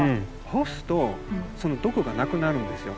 干すとその毒がなくなるんですよ。